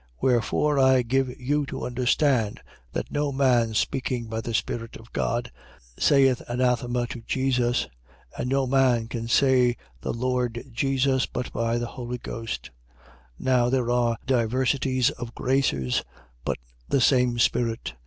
12:3. Wherefore, I give you to understand that no man, speaking by the Spirit of God, saith Anathema to Jesus. And no man can say The Lord Jesus, but by the Holy Ghost. 12:4. Now there are diversities of graces, but the same Spirit.